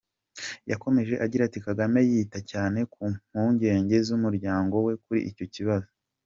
Yakomeje agira ati “Kagame yita cyane ku mpungenge z’umuryango we kuri icyo kibazo.